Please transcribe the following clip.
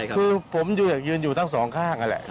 คือผมยืนอยู่ทั้งสองข้างนั่นแหละ